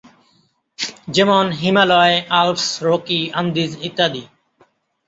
যেমন Himalaya, Alps, Rockies, Andes, ইত্যাদি।